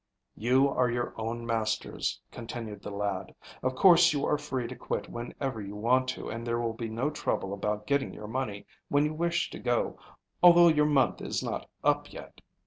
"You are your own masters," continued the lad. "Of course, you are free to quit whenever you want to and there will be no trouble about getting your money when you wish to go, although your month is not up yet."